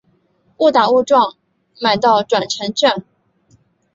误打误撞买到转乘券